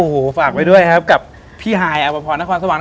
โอ้โหฝากไว้ด้วยครับกับพี่ฮายอภพรนครสวรรค